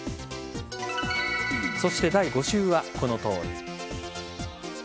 そして、第５週はこのとおり。